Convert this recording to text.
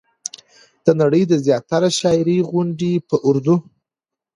د نړۍ د زياتره شاعرۍ غوندې په اردو